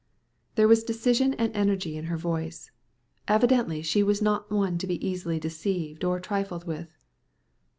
There was decision and energy in her voice. Evidently she was not one to be easily deceived or trifled with.